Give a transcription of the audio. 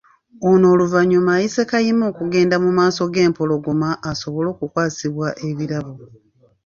Ono oluvannyuma ayise Kayima okugenda mu maaso g'Empologoma asobole okukwasibwa ebirabo.